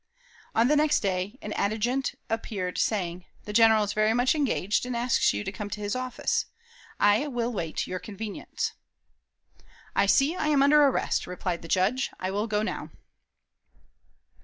On the next day an adjutant appeared saying: "The General is very much engaged, and asks you to come to his office. I will wait your convenience." "I see I am under arrest," replied the Judge. "I will go now."